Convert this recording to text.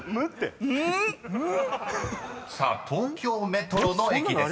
［さあ東京メトロの駅です］